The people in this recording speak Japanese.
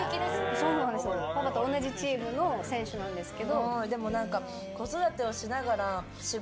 パパと同じチームの選手なんですけど。